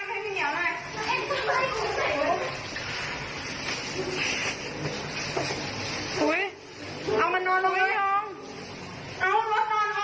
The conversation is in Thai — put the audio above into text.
ว่าถึงไม่มองใช้กระดับก่อนเอาสินค้ำได้ยังไงนะคะ